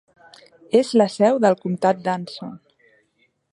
És la seu del comtat d'Anson.